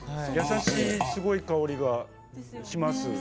優しいすごいいい香りがします。